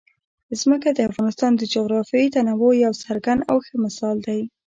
ځمکه د افغانستان د جغرافیوي تنوع یو څرګند او ښه مثال دی.